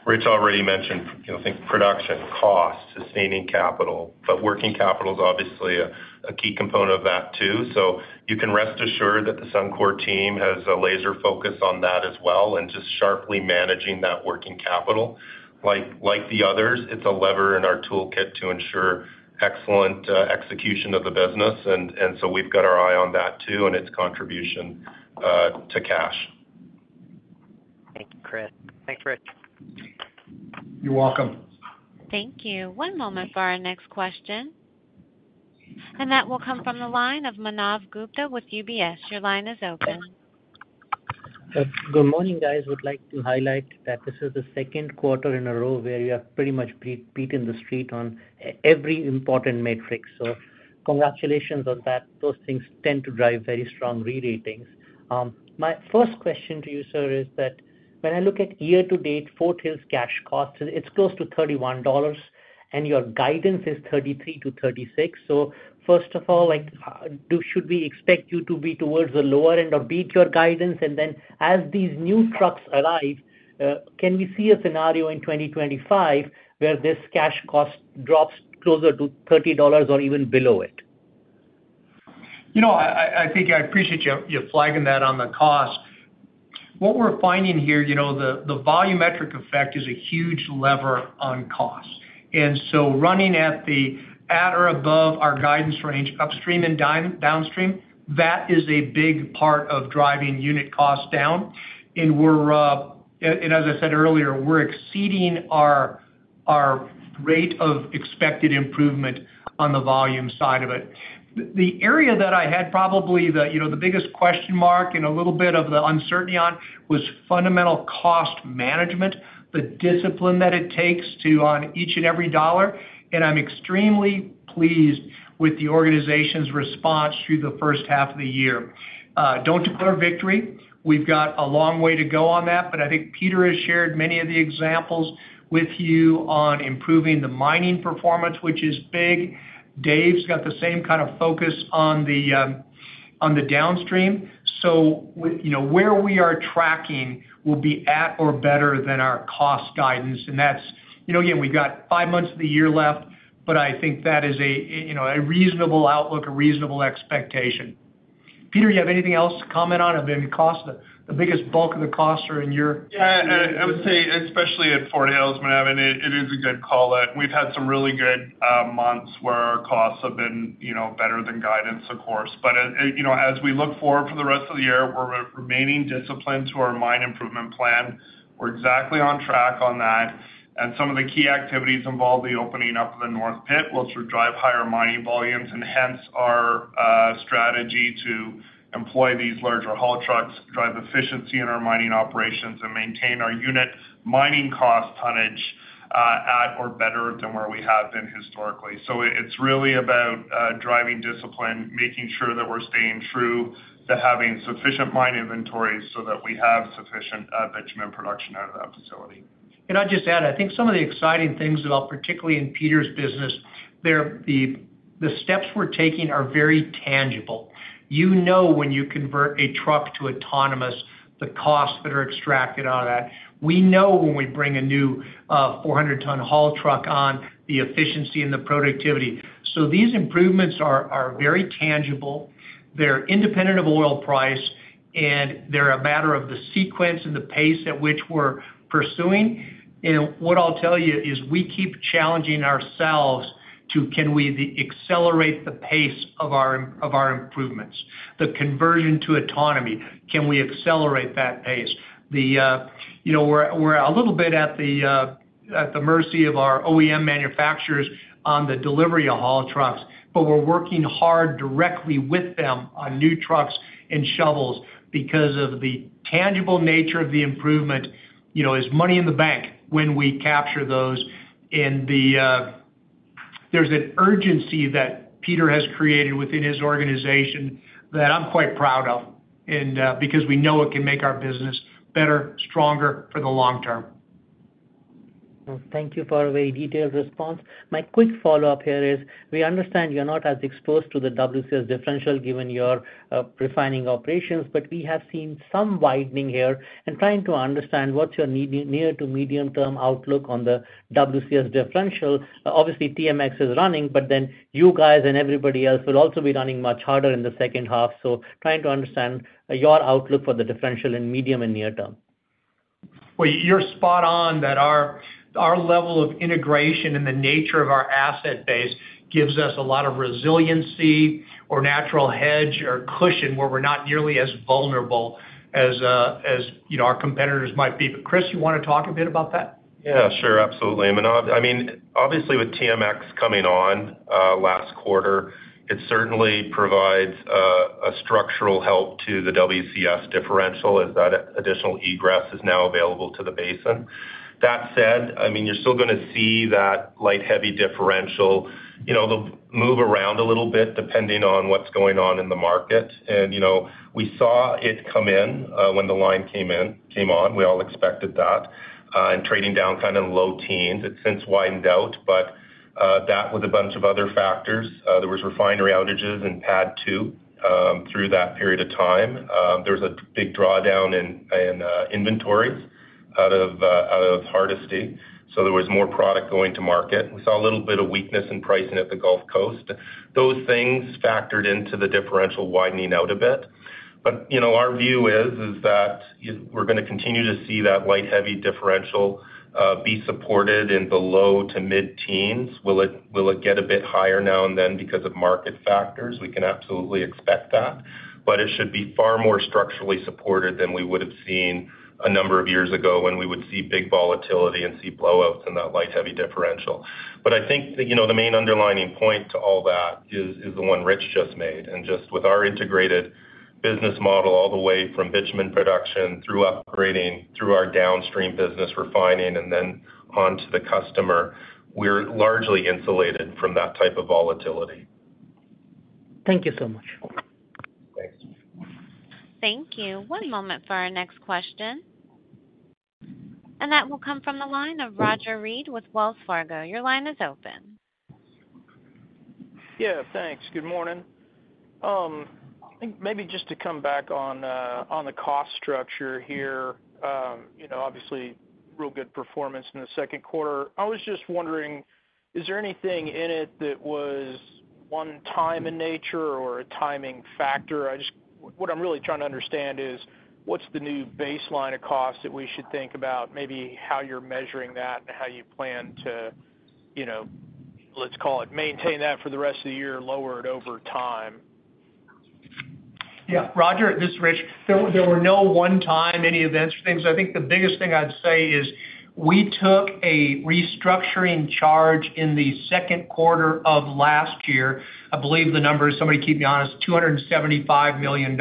S4: Rich already mentioned, I think, production, cost, sustaining capital. But working capital is obviously a key component of that too. So you can rest assured that the Suncor team has a laser focus on that as well and just sharply managing that working capital. Like the others, it's a lever in our toolkit to ensure excellent execution of the business. And so we've got our eye on that too and its contribution to cash.
S9: Thank you, Kris. Thanks, Rich.
S3: You're welcome.
S1: Thank you. One moment for our next question. And that will come from the line of Manav Gupta with UBS. Your line is open.
S10: Good morning, guys. I would like to highlight that this is the Q2 in a row where we have pretty much beaten the street on every important metric. So congratulations on that. Those things tend to drive very strong re-ratings. My first question to you, sir, is that when I look at year-to-date Fort Hills's cash cost, it's close to $31, and your guidance is $33 to 36. So first of all, should we expect you to be towards the lower end or beat your guidance? And then as these new trucks arrive, can we see a scenario in 2025 where this cash cost drops closer to $30 or even below it?
S3: I think I appreciate you flagging that on the cost. What we're finding here, the volumetric effect is a huge lever on cost. And so running at the at or above our guidance range, upstream and downstream, that is a big part of driving unit cost down. And as I said earlier, we're exceeding our rate of expected improvement on the volume side of it. The area that I had probably the biggest question mark and a little bit of the uncertainty on was fundamental cost management, the discipline that it takes to on each and every dollar. And I'm extremely pleased with the organization's response through the H1 of the year. Don't declare victory. We've got a long way to go on that. But I think Peter has shared many of the examples with you on improving the mining performance, which is big. Dave's got the same kind of focus on the downstream. So where we are tracking will be at or better than our cost guidance. And again, we've got five months of the year left, but I think that is a reasonable outlook, a reasonable expectation. Peter, you have anything else to comment on? The biggest bulk of the costs are in your.
S7: Yeah, and I would say, especially at Fort Hills, it is a good call out. We've had some really good months where our costs have been better than guidance, of course. But as we look forward for the rest of the year, we're remaining disciplined to our mine improvement plan. We're exactly on track on that. Some of the key activities involve the opening up of the north pit, which will drive higher mining volumes and hence our strategy to employ these larger haul trucks, drive efficiency in our mining operations, and maintain our unit mining cost tonnage at or better than where we have been historically. So it's really about driving discipline, making sure that we're staying true to having sufficient mine inventories so that we have sufficient bitumen production out of that facility.
S3: And I'll just add, I think some of the exciting things about, particularly in Peter's business, the steps we're taking are very tangible. You know when you convert a truck to autonomous, the costs that are extracted out of that. We know when we bring a new 400-ton haul truck on, the efficiency and the productivity. So these improvements are very tangible. They're independent of oil price, and they're a matter of the sequence and the pace at which we're pursuing. And what I'll tell you is we keep challenging ourselves to, can we accelerate the pace of our improvements, the conversion to autonomy? Can we accelerate that pace? We're a little bit at the mercy of our OEM manufacturers on the delivery of haul trucks, but we're working hard directly with them on new trucks and shovels because of the tangible nature of the improvement. It's money in the bank when we capture those. And there's an urgency that Peter has created within his organization that I'm quite proud of because we know it can make our business better, stronger for the long term.
S10: Thank you for a very detailed response. My quick follow-up here is we understand you're not as exposed to the WCS differential given your refining operations, but we have seen some widening here, and trying to understand what's your near- to medium-term outlook on the WCS differential. Obviously, TMX is running, but then you guys and everybody else will also be running much harder in the H2. So trying to understand your outlook for the differential in medium- and near-term.
S3: Well, you're spot on that our level of integration and the nature of our asset base gives us a lot of resiliency or natural hedge or cushion where we're not nearly as vulnerable as our competitors might be. But Kris, you want to talk a bit about that?
S4: Yeah, sure. Absolutely. I mean, obviously, with TMX coming on last quarter, it certainly provides a structural help to the WCS differential as that additional egress is now available to the basin. That said, I mean, you're still going to see that light-heavy differential move around a little bit depending on what's going on in the market. And we saw it come in when the line came on. We all expected that and trading down kind of low teens. It's since widened out, but that with a bunch of other factors. There were refinery outages in PADD 2 through that period of time. There was a big drawdown in inventories out of Hardisty. So there was more product going to market. We saw a little bit of weakness in pricing at the Gulf Coast. Those things factored into the differential widening out a bit. But our view is that we're going to continue to see that light-heavy differential be supported in the low to mid teens. Will it get a bit higher now and then because of market factors? We can absolutely expect that. But it should be far more structurally supported than we would have seen a number of years ago when we would see big volatility and see blowouts in that light-heavy differential. But I think the main underlining point to all that is the one Rich just made. And just with our integrated business model all the way from bitumen production through upgrading, through our downstream business refining, and then on to the customer, we're largely insulated from that type of volatility.
S10: Thank you so much. Thanks.
S1: Thank you. One moment for our next question. And that will come from the line of Roger Read with Wells Fargo. Your line is open.
S11: Yeah, thanks. Good morning. I think maybe just to come back on the cost structure here, obviously, real good performance in the Q2. I was just wondering, is there anything in it that was one-time in nature or a timing factor? What I'm really trying to understand is what's the new baseline of cost that we should think about, maybe how you're measuring that and how you plan to, let's call it, maintain that for the rest of the year, lower it over time?
S3: Yeah. Roger, this is Rich. There were no one-time any events or things. I think the biggest thing I'd say is we took a restructuring charge in the Q2 of last year. I believe the number is, somebody keep me honest, $275 million.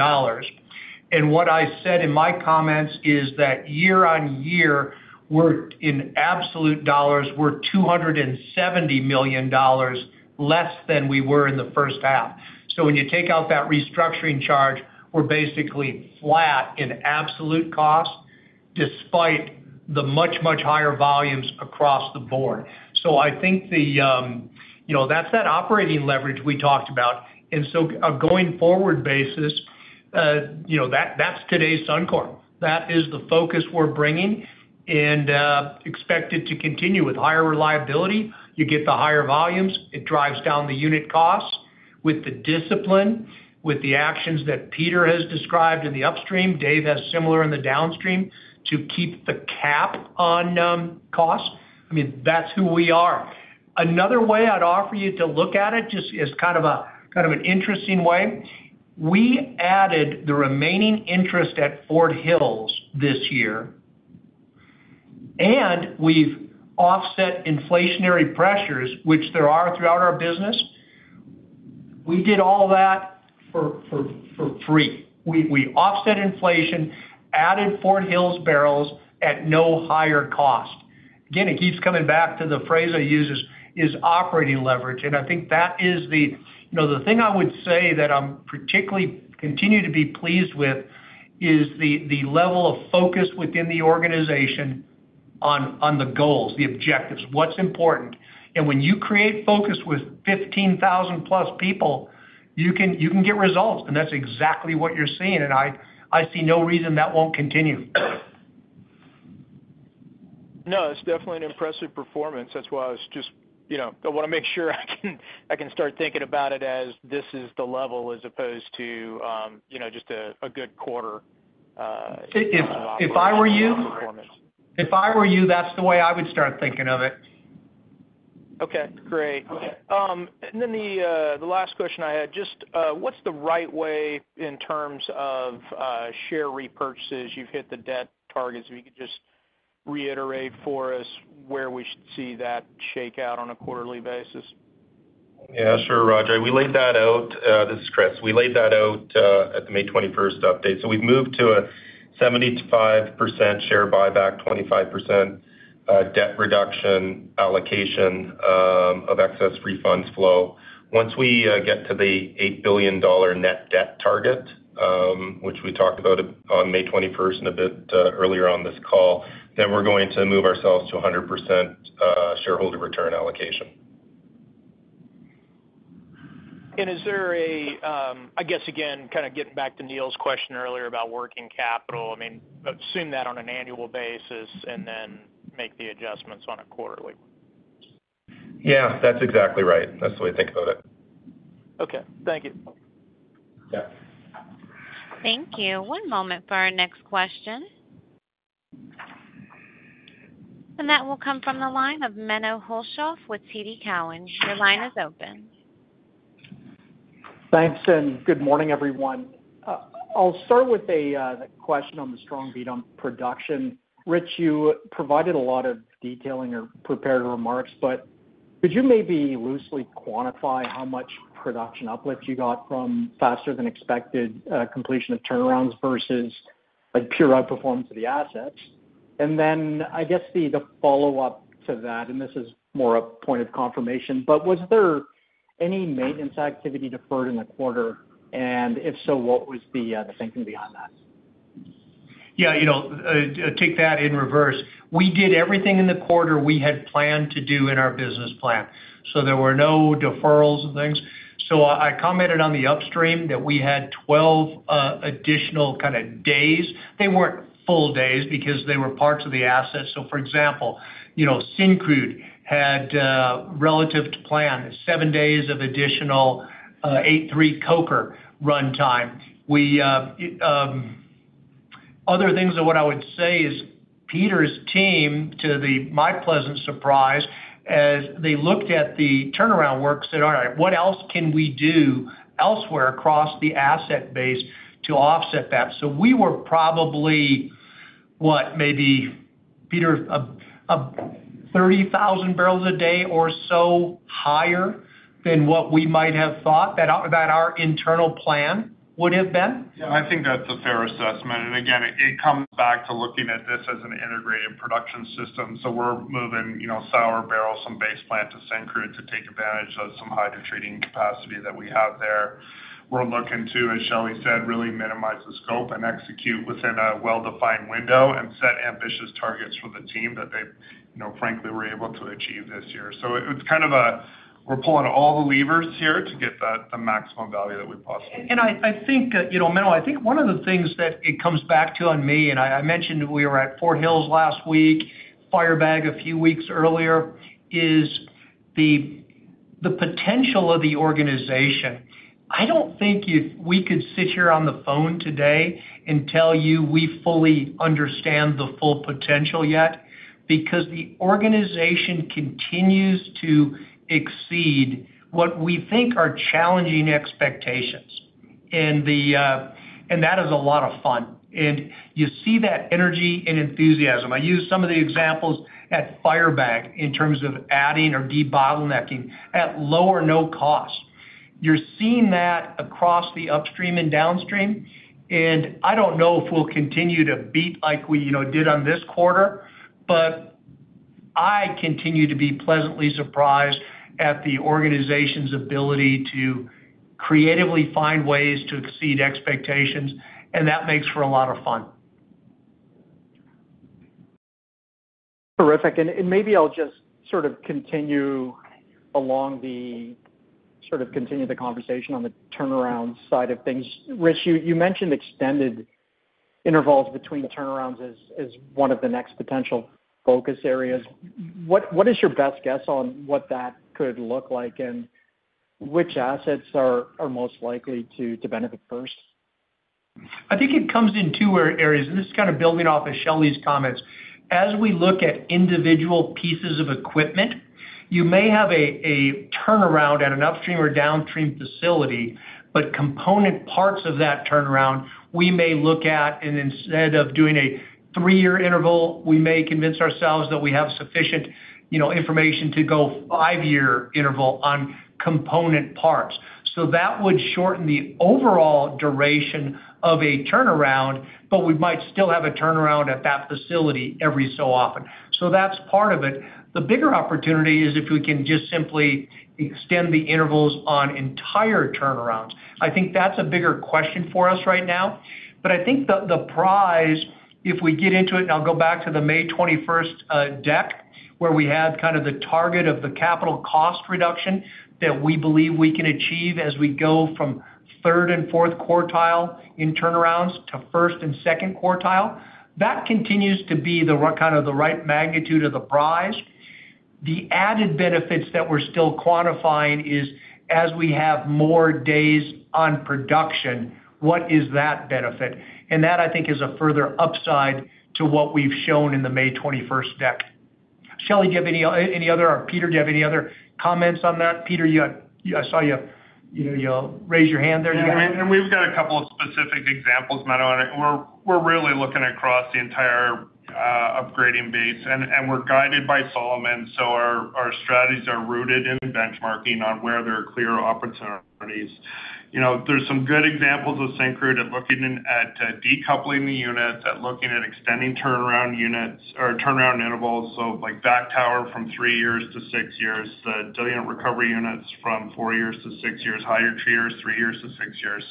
S3: And what I said in my comments is that year-over-year, in absolute dollars, we're $270 million less than we were in the H1. So when you take out that restructuring charge, we're basically flat in absolute cost despite the much, much higher volumes across the board. So I think that's that operating leverage we talked about. And so on a going-forward basis, that's today's Suncor. That is the focus we're bringing and expected to continue with higher reliability. You get the higher volumes. It drives down the unit costs with the discipline, with the actions that Peter has described in the upstream. Dave has similar in the downstream to keep the cap on costs. I mean, that's who we are. Another way I'd offer you to look at it just is kind of an interesting way. We added the remaining interest at Fort Hills this year, and we've offset inflationary pressures, which there are throughout our business. We did all that for free. We offset inflation, added Fort Hills barrels at no higher cost. Again, it keeps coming back to the phrase I use, is operating leverage. I think that is the thing I would say that I'm particularly continuing to be pleased with is the level of focus within the organization on the goals, the objectives, what's important. When you create focus with 15,000+ people, you can get results. That's exactly what you're seeing. I see no reason that won't continue.
S11: No, it's definitely an impressive performance. That's why I was just I want to make sure I can start thinking about it as this is the level as opposed to just a good quarter. If I were you.
S3: If I were you, that's the way I would start thinking of it.
S11: Okay. Great. And then the last question I had, just what's the right way in terms of share repurchases? You've hit the debt targets. If you could just reiterate for us where we should see that play out on a quarterly basis.
S4: Yeah, sure, Roger. We laid that out. This is Kris. We laid that out at the May 21st update. So we've moved to a 75% share buyback, 25% debt reduction allocation of excess free funds flow. Once we get to the 8 billion dollar net debt target, which we talked about on May 21st and a bit earlier on this call, then we're going to move ourselves to 100% shareholder return allocation.
S11: And is there a, I guess, again, kind of getting back to Neil's question earlier about working capital, I mean, assume that on an annual basis and then make the adjustments on a quarterly?
S4: Yeah, that's exactly right. That's the way I think about it.
S11: Okay. Thank you.
S1: Thank you. One moment for our next question. And that will come from the line of Menno Hulshof with TD Cowen. Your line is open.
S12: Thanks. And good morning, everyone. I'll start with a question on the strong beat on production. Rich, you provided a lot of detail in your prepared remarks, but could you maybe loosely quantify how much production uplift you got from faster-than-expected completion of turnarounds versus pure outperformance of the assets? And then I guess the follow-up to that, and this is more a point of confirmation, but was there any maintenance activity deferred in the quarter? And if so, what was the thinking behind that?
S3: Yeah, take that in reverse. We did everything in the quarter we had planned to do in our business plan. So there were no deferrals and things. So I commented on the upstream that we had 12 additional kind of days. They weren't full days because they were parts of the assets. So for example, Syncrude had relative to plan, 7 days of additional 8-3 Coker runtime. Other things that what I would say is Peter's team, to my pleasant surprise, as they looked at the turnaround work, said, "All right, what else can we do elsewhere across the asset base to offset that?" So we were probably, what, maybe Peter, 30,000 barrels a day or so higher than what we might have thought that our internal plan would have been.
S7: Yeah, I think that's a fair assessment. And again, it comes back to looking at this as an integrated production system. So we're moving sour barrels, some Base Plant to Syncrude to take advantage of some hydrotreating capacity that we have there. We're looking to, as Shelley said, really minimize the scope and execute within a well-defined window and set ambitious targets for the team that they, frankly, were able to achieve this year. So it's kind of a we're pulling all the levers here to get the maximum value that we possibly can.
S3: And I think, Menno, I think one of the things that it comes back to on me, and I mentioned we were at Fort Hills last week, Firebag a few weeks earlier, is the potential of the organization. I don't think if we could sit here on the phone today and tell you we fully understand the full potential yet because the organization continues to exceed what we think are challenging expectations. That is a lot of fun. You see that energy and enthusiasm. I use some of the examples at Firebag in terms of adding or debottlenecking at low or no cost. You're seeing that across the upstream and downstream. I don't know if we'll continue to beat like we did on this quarter, but I continue to be pleasantly surprised at the organization's ability to creatively find ways to exceed expectations. That makes for a lot of fun.
S12: Terrific. Maybe I'll just sort of continue along the sort of continue the conversation on the turnaround side of things. Rich, you mentioned extended intervals between turnarounds as one of the next potential focus areas. What is your best guess on what that could look like and which assets are most likely to benefit first?
S3: I think it comes in two areas. This is kind of building off of Shelley's comments. As we look at individual pieces of equipment, you may have a turnaround at an upstream or downstream facility, but component parts of that turnaround, we may look at. Instead of doing a three-year interval, we may convince ourselves that we have sufficient information to go five-year interval on component parts. So that would shorten the overall duration of a turnaround, but we might still have a turnaround at that facility every so often. So that's part of it. The bigger opportunity is if we can just simply extend the intervals on entire turnarounds. I think that's a bigger question for us right now. But I think the prize, if we get into it, and I'll go back to the May 21st deck where we had kind of the target of the capital cost reduction that we believe we can achieve as we go from third and fourth quartile in turnarounds to first and second quartile, that continues to be kind of the right magnitude of the prize. The added benefits that we're still quantifying is as we have more days on production, what is that benefit? And that, I think, is a further upside to what we've shown in the May 21st deck. Shelley, do you have any other or Peter, do you have any other comments on that? Peter, I saw you raise your hand there.
S7: Yeah. And we've got a couple of specific examples, Menno. We're really looking across the entire upgrading base. We're guided by Solomon. Our strategies are rooted in benchmarking on where there are clear opportunities. There's some good examples of Syncrude at looking at decoupling the units, at looking at extending turnaround units or turnaround intervals, so like vac tower from 3 years to 6 years, the diluent recovery units from 4 years to 6 years, hydrotreaters 3 years to 6 years.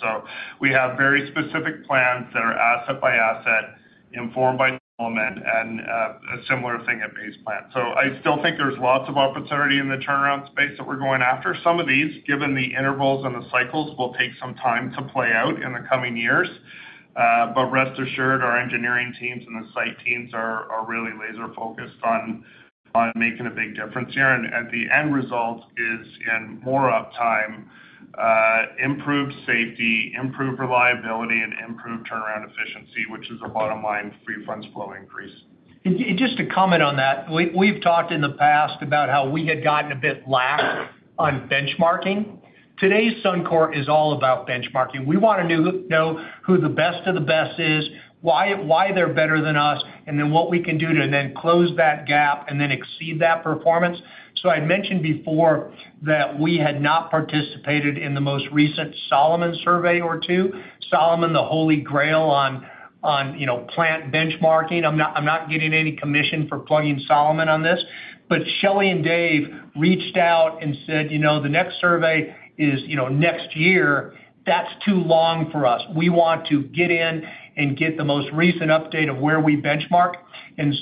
S7: We have very specific plans that are asset by asset, informed by Solomon, and a similar thing at Base Plant. I still think there's lots of opportunity in the turnaround space that we're going after. Some of these, given the intervals and the cycles, will take some time to play out in the coming years. Rest assured, our engineering teams and the site teams are really laser-focused on making a big difference here. The end result is in more uptime, improved safety, improved reliability, and improved turnaround efficiency, which is a bottom line free funds flow increase.
S3: Just to comment on that, we've talked in the past about how we had gotten a bit lax on benchmarking. Today's Suncor is all about benchmarking. We want to know who the best of the best is, why they're better than us, and then what we can do to then close that gap and then exceed that performance. I had mentioned before that we had not participated in the most recent Solomon survey or two. Solomon, the holy grail on plant benchmarking. I'm not getting any commission for plugging Solomon on this. Shelley and Dave reached out and said, "The next survey is next year. That's too long for us. We want to get in and get the most recent update of where we benchmark."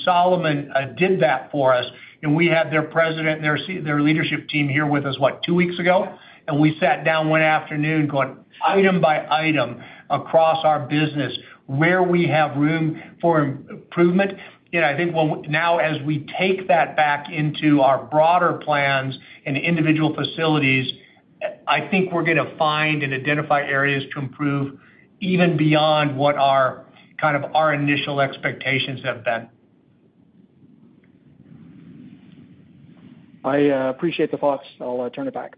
S3: Solomon did that for us. We had their president and their leadership team here with us, what, two weeks ago. We sat down one afternoon going item by item across our business where we have room for improvement. I think now, as we take that back into our broader plans and individual facilities, I think we're going to find and identify areas to improve even beyond what kind of our initial expectations have been.
S12: I appreciate the thoughts. I'll turn it back.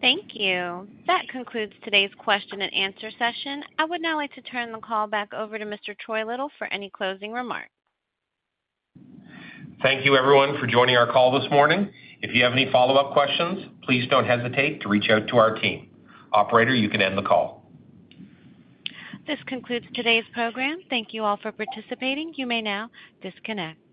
S1: Thank you. That concludes today's question and answer session. I would now like to turn the call back over to Mr. Troy Little for any closing remarks.
S2: Thank you, everyone, for joining our call this morning. If you have any follow-up questions, please don't hesitate to reach out to our team. Operator, you can end the call.
S1: This concludes today's program. Thank you all for participating. You may now disconnect.